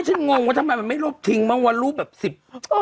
ฉันงงว่าทำไมมันไม่รบทิ้งมาว่ารูปแบบ๑๐